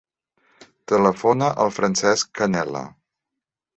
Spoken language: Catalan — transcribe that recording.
Telefona al Francesc Canela.